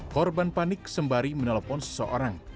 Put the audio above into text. korban panik sembari menelpon seseorang